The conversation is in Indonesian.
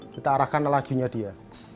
kita arahkan lajunya dia